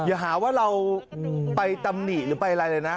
อย่าหาว่าเราไปตำหนิหรือไปอะไรเลยนะ